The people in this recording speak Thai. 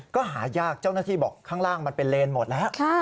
ก็หายากเจ้าหน้าที่บอกข้างล่างมันเป็นเลนหมดแล้ว